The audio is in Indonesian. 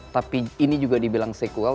tapi ini juga dibilang sekual